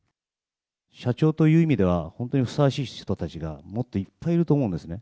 社長という意味では、本当にふさわしい人たちがもっといっぱいいると思うんですね。